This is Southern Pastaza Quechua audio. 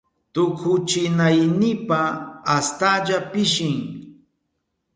Tukuchinaynipa astalla pishin.